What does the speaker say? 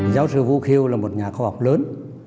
giáo sư vũ khiêu là một nhà khoa học lớn